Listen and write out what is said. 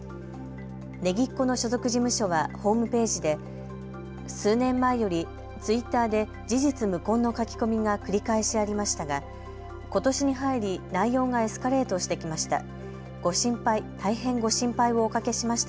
Ｎｅｇｉｃｃｏの所属事務所はホームページで数年前よりツイッターで事実無根の書き込みが繰り返しありましたがことしに入り、内容がエスカレートしてきました。